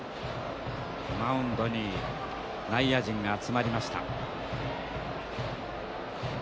マウンドに内野陣が集まりました。